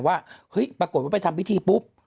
ว่าเฮ้ยปรากฏว่าไปทำพิธีปุ๊บ